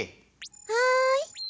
はい。